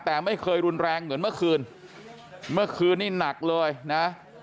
แต่ไม่เคยรุนแรงเหมือนเมื่อคืนเมื่อคืนนี้หนักเลยนะ